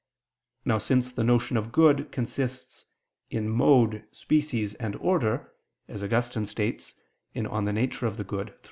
Now since the notion of good consists in "mode, species, and order," as Augustine states (De Nat. Boni.